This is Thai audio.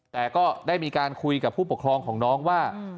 แต่ก็ได้มีการคุยกับผู้ปกครองของน้องว่า